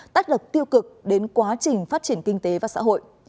tác động tiêu cực đến quá trình phát triển kinh tế và xã hội